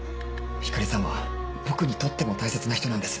光莉さんは僕にとっても大切な人なんです。